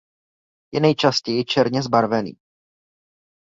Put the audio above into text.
Je nejčastěji černě zbarvený.